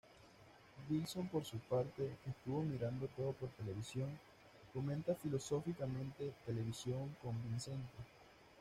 Wilson por su parte, que estuvo mirando todo por televisión, comenta filosóficamente: "televisión convincente".